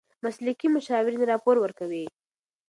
مسلکي مشاورین راپور ورکوي.